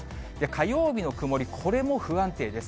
火曜日の曇り、これも不安定です。